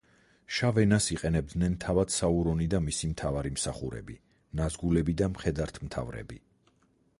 შავ ენას იყენებდნენ თავად საურონი და მისი მთავარი მსახურები: ნაზგულები და მხედართმთავრები.